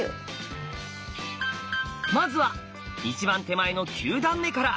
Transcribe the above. まずは一番手前の九段目から。